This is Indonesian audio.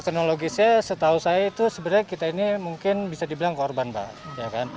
kronologisnya setahu saya itu sebenarnya kita ini mungkin bisa dibilang korban pak ya kan